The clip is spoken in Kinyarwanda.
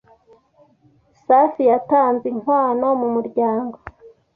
Safi yatanze inkwano mu muryango